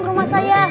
ke rumah saya